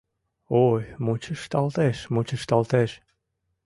Ой, мучышталтеш, мучышталтеш.